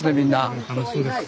うん楽しそうです。